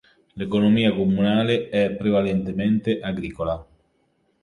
L'economia comunale è prevalentemente agricola.